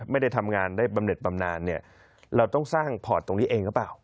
ไม่ได้ทำงานได้บำเน็ตบำนานเนี่ยเราต้องสร้างพอร์ตตรงนี้เองหรือเปล่า